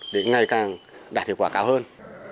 để ngày càng đạt hiệu quả cao hơn